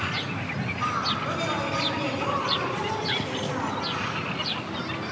さあどれをえらんでどうまとめるのでしょうか。